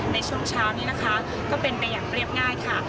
ในช่วงเช้านี้นะคะก็เป็นไปอย่างเรียบง่ายค่ะ